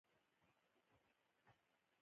د ماشوم بستر باید نرم او پاک وي۔